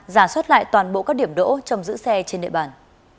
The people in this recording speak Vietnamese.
giả soát lại toàn bộ các điểm đỗ trong giữ xe trên địa bàn